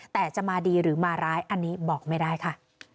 แต่จะมาดีหรือมาร้ายอันนี้บอกไม่ได้ค่ะ